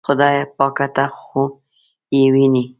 خدایه پاکه ته خو یې وینې.